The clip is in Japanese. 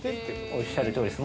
◆おっしゃるとおりです。